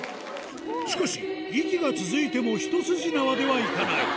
しかし、息が続いても一筋縄ではいかない。